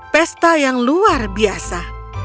pesta yang luar biasa